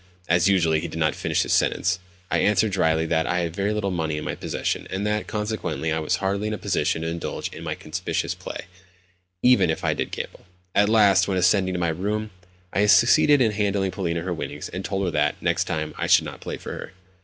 As usual, he did not finish his sentence. I answered drily that I had very little money in my possession, and that, consequently, I was hardly in a position to indulge in any conspicuous play, even if I did gamble. At last, when ascending to my own room, I succeeded in handing Polina her winnings, and told her that, next time, I should not play for her.